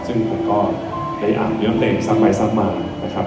ซึ่งผมก็ได้อัดเพลงสักไปสักมานะครับ